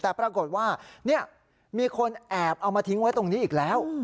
แต่ปรากฏว่ามีคนแอบเอามาทิ้งไว้ตรงนี้อีกแล้ว